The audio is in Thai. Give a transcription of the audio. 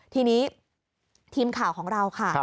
ทีนี้ทีมข่าวของเราค่ะ